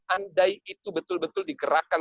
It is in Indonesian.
andai itu betul betul digerakkan